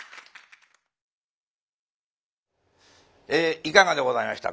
いかがでございましたか？